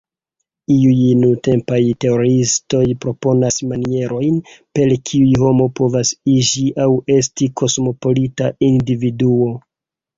Iuj nuntempaj teoriistoj proponas manierojn, per kiuj homo povas iĝi aŭ esti kosmopolita individuo.